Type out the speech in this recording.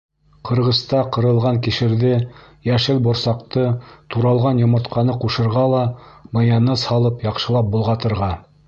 Ҡырғыста ҡырылған кишерҙе, йәшел борсаҡты, туралған йомортҡаны ҡушырға ла, майонез һалып, яҡшылап болғатырға.